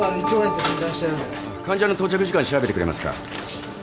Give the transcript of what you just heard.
患者の到着時間調べてくれますか？